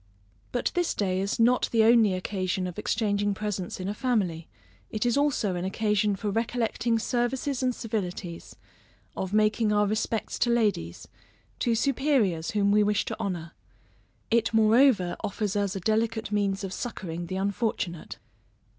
But this day is not the only occasion of exchanging presents in a family, it is also an occasion for recollecting services and civilities; of making our respects to ladies, to superiors whom we wish to honor. It moreover offers us a delicate means of succoring the unfortunate.